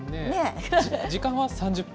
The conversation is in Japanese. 時間は３０分？